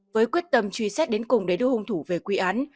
với quyết tâm truy xét đến cùng để đưa hung thủ về quy án